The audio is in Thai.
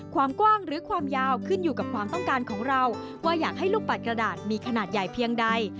ความกว้างหรือความยาวขึ้นอยู่กับความต้องการของเราว่าอยากให้ลูกปัดกระดาษมีขนาดใหญ่เพียงใด